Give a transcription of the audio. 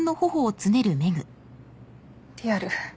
リアル。